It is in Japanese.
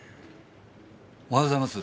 おはようございます。